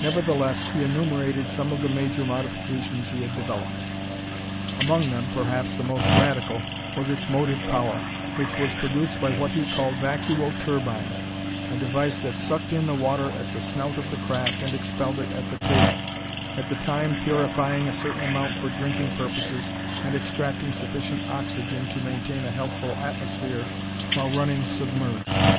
Nevertheless, he enumerated some of the major modifications he had developed. Among them, perhaps the most radical, was its motive power, which was produced by what he called a vacuo turbine a device that sucked in the water at the snout of the craft and expelled it at the tail, at the time purifying a certain amount for drinking purposes and extracting sufficient oxygen to maintain a healthful atmosphere while running submerged.